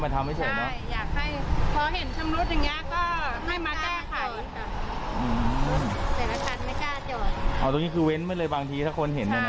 ตรงนี้คือเว้นไปเลยบางทีถ้าคนเห็นกันเนอะใช่